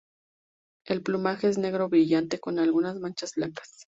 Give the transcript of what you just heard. El plumaje es negro brillante con algunas manchas blancas.